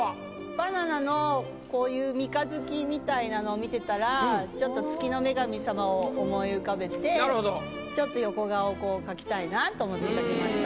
バナナのこういう三日月みたいなのを見てたらちょっと月の女神様を思い浮かべてちょっと横顔をこう描きたいなと思って描きました。